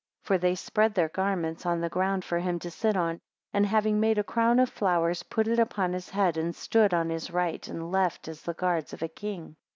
2 For they spread their garments on the ground for him to sit on; and having made a crown of flowers, put it upon his head, and stood on his right and left as the guards of a king.